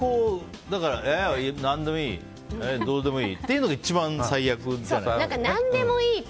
何でもいいどうでもいいっていうのが一番最悪じゃないですか。